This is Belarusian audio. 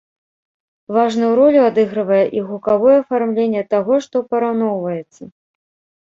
Важную ролю адыгрывае і гукавое афармленне таго, што параўноўваецца.